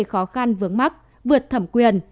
khó khăn vướng mắt vượt thẩm quyền